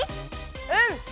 うん！